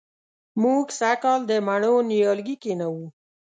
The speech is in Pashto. موږ سږ کال د مڼو نیالګي کېنوو